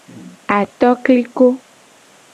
Atokliko.